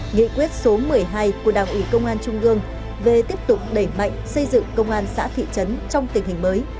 nghị quyết số một mươi hai của đảng ủy công an trung ương về tiếp tục đẩy mạnh xây dựng công an xã thị trấn trong tình hình mới